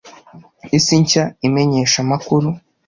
Isi nshya-imenyesha amakuru!